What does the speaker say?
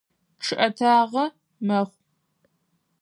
Чъыӏэтагъэ мэхъу.